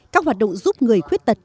các hoạt động giúp người khuyết tật